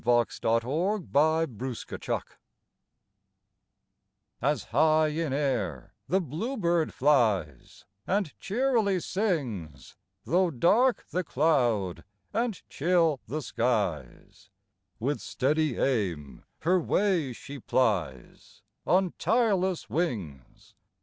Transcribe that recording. EASTER CAROLS 21 THE BLUEBIRD A S high in air the bluebird flies, ^* And cheerly sings, Though dark the cloud, and chill the skies, With steady aim her way she plies On tireless wings.